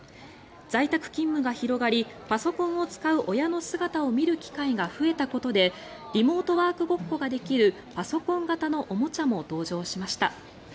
在宅勤務が広がりパソコンを使う親の姿を見る機会が増えたことでリモートワークごっこができるパソコン型のおもちゃも登場しました。